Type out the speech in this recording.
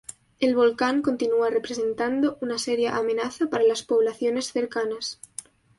El volcán continúa representando una seria amenaza para las poblaciones cercanas.